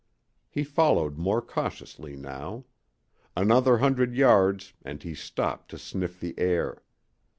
He followed more cautiously now. Another hundred yards and he stopped to sniff the air.